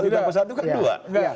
satu tanpa satu kan dua